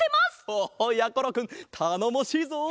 おおやころくんたのもしいぞ。